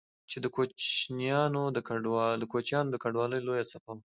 چې د کوچيانو د کډوالۍ لويه څپه وه